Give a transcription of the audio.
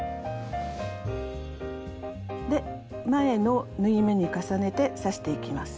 で前の縫い目に重ねて刺していきます。